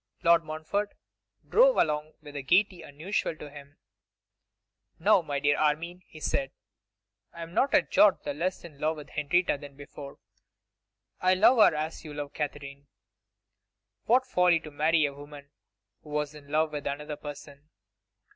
Lord Montfort drove along with a gaiety unusual to him. 'Now, my dear Armine,' he said, 'I am not a jot the less in love with Henrietta than before. I love her as you love Katherine. What folly to marry a woman who was in love with another person!